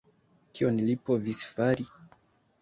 Kion li povis fari?